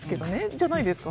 じゃないですか？